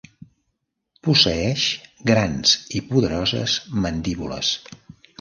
Posseeix grans i poderoses mandíbules.